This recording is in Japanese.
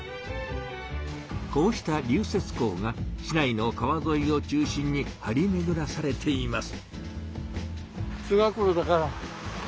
こうした流雪溝が市内の川ぞいを中心にはりめぐらされています。